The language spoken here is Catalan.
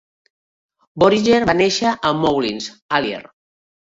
Bohringer va néixer a Moulins, Allier.